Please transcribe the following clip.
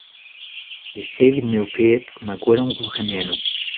resevit me ho ped ma gwellañ gourc'hemennoù.